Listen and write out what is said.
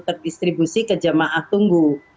terdistribusi ke jemaah tunggu